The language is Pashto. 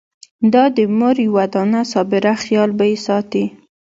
دا د مور یوه دانه صابره خېال به يې ساتي!